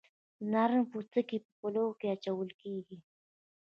د نارنج پوستکي په پلو کې اچول کیږي.